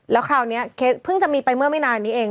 แล้วคราวนี้เคสเพิ่งจะมีไปเมื่อไม่นานนี้เอง